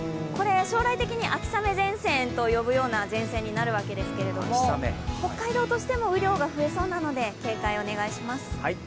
将来的に秋雨前線と呼ぶような前線になるわけですけれども北海道としても雨量が増えそうなので、警戒をお願いします。